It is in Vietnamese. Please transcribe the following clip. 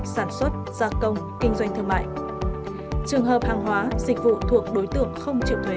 sản xuất gia công kinh doanh thương mại trường hợp hàng hóa dịch vụ thuộc đối tượng không triệu thuế